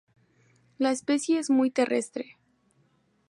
La especie es muy terrestre.